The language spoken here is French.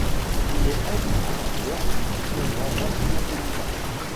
Il est un des diffuseurs du supplément Version Femina.